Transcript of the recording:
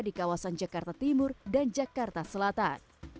di kawasan jakarta timur dan jakarta selatan